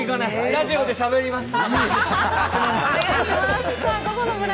ラジオでしゃべります。